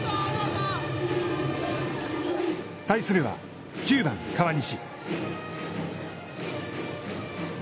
対するは、９番川西。